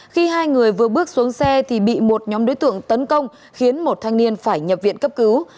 khi hai người vừa bước xuống xe thì bị một nhóm đối tượng tấn công khiến một thanh niên phải nhập viện cấp cứu